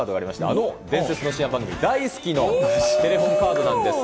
あの伝説の深夜番組、ダイスキ！のテレホンカードなんですが。